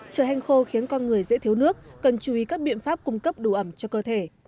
trời hanh khô khiến con người dễ thiếu nước cần chú ý các biện pháp cung cấp đủ ẩm cho cơ thể